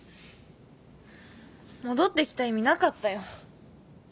戻ってきた意味なかったよ。